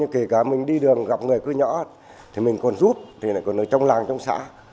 kể cả mình đi đường gặp người cứ nhỏ thì mình còn giúp còn ở trong làng trong xã